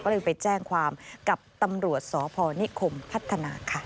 ก็เลยไปแจ้งความกับตำรวจสพนิคมพัฒนาค่ะ